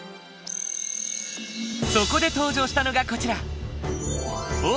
そこで登場したのがこちら